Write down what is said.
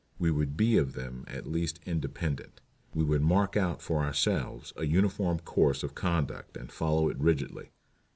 We would be of them at least independent. We would mark out for ourselves a uniform course of conduct and follow it rigidly.